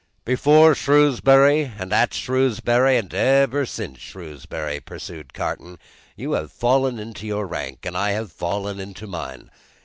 "Before Shrewsbury, and at Shrewsbury, and ever since Shrewsbury," pursued Carton, "you have fallen into your rank, and I have fallen into mine.